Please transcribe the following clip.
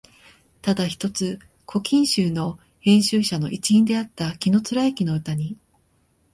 ただ一つ「古今集」の編集者の一員であった紀貫之の歌に、